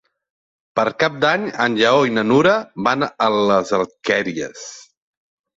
Per Cap d'Any en Lleó i na Nura van a les Alqueries.